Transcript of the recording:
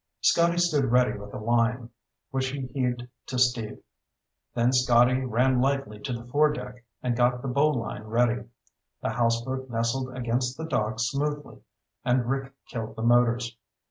Scotty stood ready with a line, which he heaved to Steve. Then Scotty ran lightly to the foredeck and got the bowline ready. The houseboat nestled against the dock smoothly and Rick killed the motors.